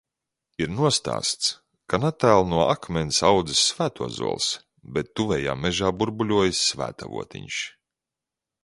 Ir nostāsts, ka netālu no akmens audzis svētozols, bet tuvējā mežā burbuļojis svētavotiņš.